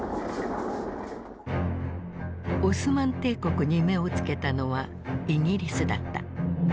オスマン帝国に目を付けたのはイギリスだった。